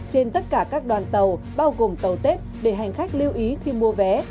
trên tất cả các đoàn tàu bao gồm tàu tết để hành khách lưu ý khi mua vé